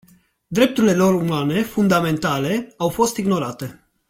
Drepturile lor umane fundamentale au fost ignorate.